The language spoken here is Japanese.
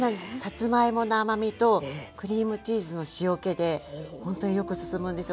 さつまいもの甘みとクリームチーズの塩けでほんとによく進むんです。